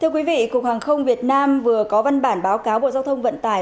cục hàng không việt nam vừa có văn bản báo cáo bộ giao thông vận tải